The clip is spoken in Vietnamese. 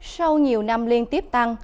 sau nhiều năm liên tiếp tăng